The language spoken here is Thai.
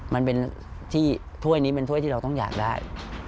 มันเป็นที่ถ้วยนี้เป็นถ้วยที่เราต้องอยากได้